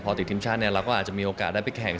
พอติดทีมชาติเราก็อาจจะมีโอกาสได้ไปแข่ง